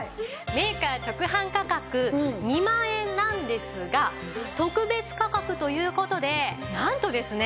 メーカー直販価格２万円なんですが特別価格という事でなんとですね